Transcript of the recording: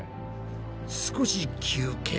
少し休憩。